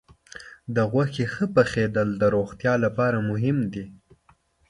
د غوښې ښه پخېدل د روغتیا لپاره مهم دي.